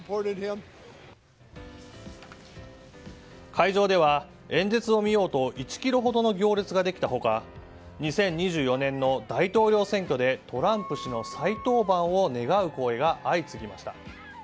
会場では、演説を見ようと１ｋｍほどの行列ができた他２０２４年の大統領選挙でトランプ氏の再登板を願う声が相次ぎました。